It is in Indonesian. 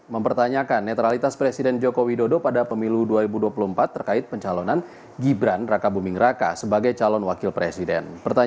mempertanyakan netralitas presiden joko widodo pada pemilu dua ribu dua puluh empat terkait pencalonan gibran raka buming raka sebagai calon wakil presiden